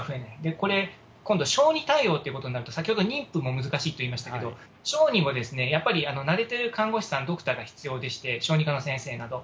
これ、今度小児対応ということになると、先ほど妊婦も難しいって言いましたけど、小児もやっぱり、慣れてる看護師さん、ドクターが必要でして、小児科の先生など。